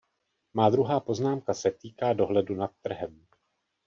Má druhá poznámka se týká dohledu nad trhem.